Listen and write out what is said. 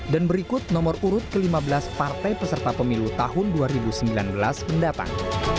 dan berikut nomor urut ke lima belas partai peserta pemilu tahun dua ribu sembilan belas mendatang